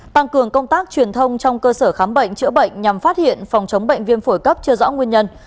tăng cường công tác truyền thông trong cơ sở khám bệnh chữa bệnh nhằm phát hiện phòng chống bệnh viêm phổi cấp chưa rõ nguyên nhân